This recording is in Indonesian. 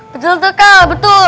betul tuka betul